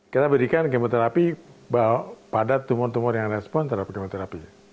kita berikan kemoterapi pada tumor tumor yang respon terhadap kemoterapi